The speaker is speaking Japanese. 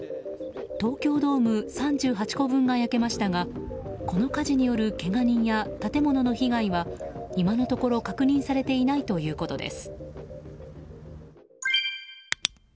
東京ドーム３８個分が焼けましたがこの火事によるけが人や建物の被害は今のところ確認されていないということです。